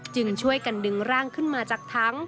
จึงช่วยกันดึงร่างขึ้นมาจากถัง